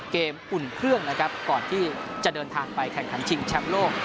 อุ่นเครื่องนะครับก่อนที่จะเดินทางไปแข่งขันชิงแชมป์โลก